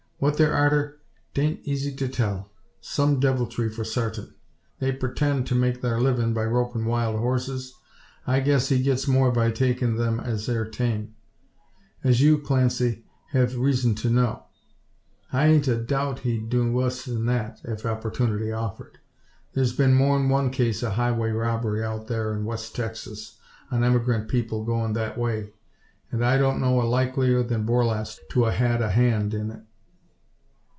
What they're arter 'tain't eezy to tell. Some deviltry, for sartin. They purtend to make thar livin' by ropin' wild horses? I guess he gits more by takin' them as air tame; as you, Clancy, hev reezun to know. I hain't a doubt he'd do wuss than that, ef opportunity offered. Thar's been more'n one case o' highway robbery out thar in West Texas, on emigrant people goin' that way; an' I don't know a likelier than Borlasse to a had a hand in't.